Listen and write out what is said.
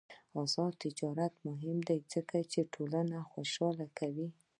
آزاد تجارت مهم دی ځکه چې ټولنه خوشحاله کوي.